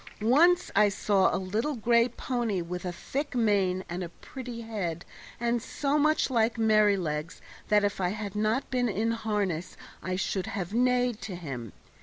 Once I saw a little gray pony with a thick mane and a pretty head, and so much like Merrylegs that if I had not been in harness I should have neighed to him.